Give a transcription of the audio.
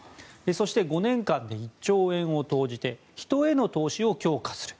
そして、５年間で１兆円を投じて人への投資を強化する。